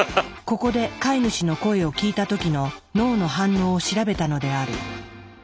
ここで飼い主の声を聞いた時の脳の反応を調べたのである。